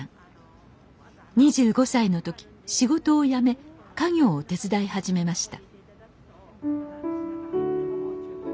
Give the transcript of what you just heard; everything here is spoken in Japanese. ２５歳の時仕事を辞め家業を手伝い始めました